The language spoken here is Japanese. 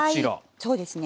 そうですね